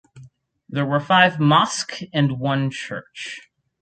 There are five mosque and one church.